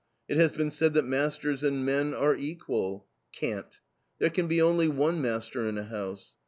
It has been said that masters and men are equal. Cant. There can be only one master in a house.